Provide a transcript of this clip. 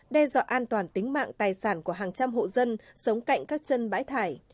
đe dọa an toàn tính mạng tài sản của hàng trăm hộ dân sống cạnh các chân bãi thải